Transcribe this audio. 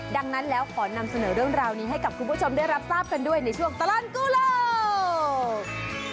ดังนั้นแล้วขอนำเสนอเรื่องราวนี้ให้กับคุณผู้ชมได้รับทราบกันด้วยในช่วงตลอดกู้โลก